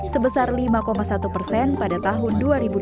sebesar lima satu persen pada tahun dua ribu dua puluh